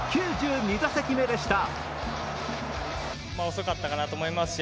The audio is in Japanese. ９２打席目でした。